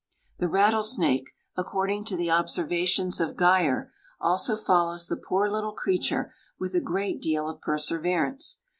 The rattlesnake, according to the observations of Geyer, also follows the poor little creature with a great deal of perseverance.